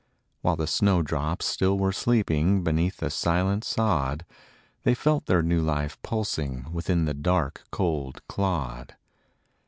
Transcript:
While the snow drops still were sleeping Beneath the silent sod; They felt their new life pulsing Within the dark, cold clod.